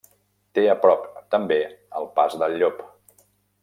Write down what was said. Té a prop, també, el Pas del Llop.